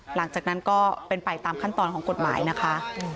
หลังจากนั้นก็เป็นไปตามขั้นตอนของกฎหมายนะคะ